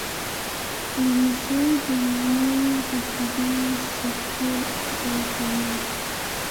لمسی د مور د شیدو شکر ادا کوي.